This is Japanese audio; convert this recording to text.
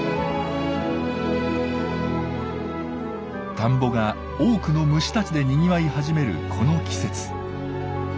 田んぼが多くの虫たちでにぎわい始めるこの季節。